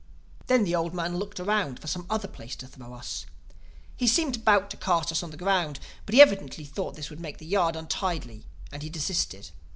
"Then the old man looked around for some other place to throw us. He seemed about to cast us upon the ground. But he evidently thought that this would make the yard untidy and he desisted.